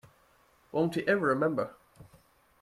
Won't he ever remember?